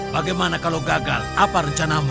bagaimana kalau gagal apa rencanamu